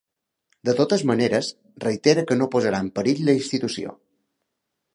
De totes maneres, reitera que no posarà en perill la institució.